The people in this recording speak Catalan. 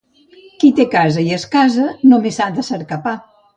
Qui té casa i es casa només ha de cercar pa.